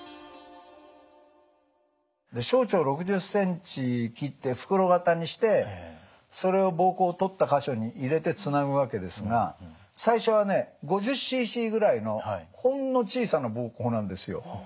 小腸６０ｃｍ切って袋型にしてそれを膀胱を取った箇所に入れてつなぐわけですが最初はね５０ｃｃぐらいのほんの小さな膀胱なんですよ。